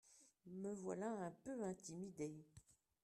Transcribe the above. Me voilà un peu intimidé.